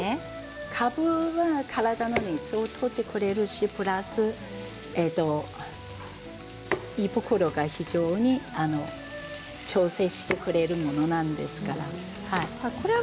かぶは体の熱を取ってくれるしプラス胃袋を非常に調整してくれるものなんですから。